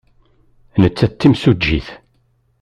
Nettat d timsujjit?